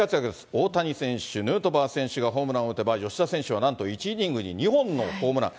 大谷選手、ヌートバー選手がホームランを打てば、吉田選手はなんと１イニングに２本のホームラン。